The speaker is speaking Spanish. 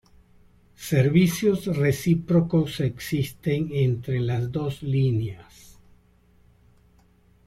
Servicios recíprocos existen entre las dos líneas.